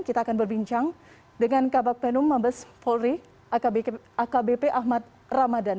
kita akan berbincang dengan kabak penum mabes polri akbp ahmad ramadan